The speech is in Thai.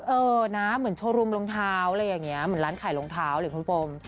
เออนะเหมือนโชว์รูมรองเท้าอะไรอย่างนี้เหมือนร้านขายรองเท้าหรือคุณโปม